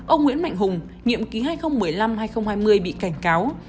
ông nguyễn mạnh hùng nhiệm ký hai nghìn một mươi năm hai nghìn hai mươi bị cảnh cáo